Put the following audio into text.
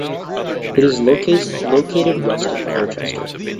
It is located west of Colchester.